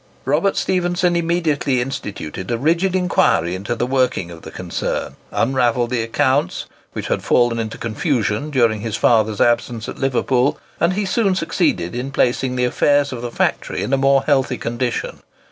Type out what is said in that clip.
Robert Stephenson immediately instituted a rigid inquiry into the working of the concern, unravelled the accounts, which had fallen into confusion during his father's absence at Liverpool; and he soon succeeded in placing the affairs of the factory in a more healthy condition.